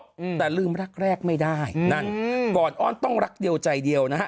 อืมแต่ลืมรักแรกไม่ได้นั่นอืมก่อนอ้อนต้องรักเดียวใจเดียวนะฮะ